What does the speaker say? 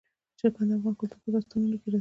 چرګان د افغان کلتور په داستانونو کې راځي.